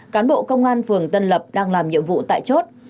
cán bộ công an phường tân lập đang làm nhiệm vụ tại chốt